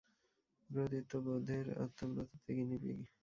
ভ্রাতৃত্ববোধের, আর তোমরা তাতে গিনিপিগ।